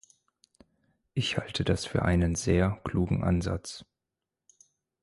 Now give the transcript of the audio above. Ich halte das für einen sehr klugen Ansatz.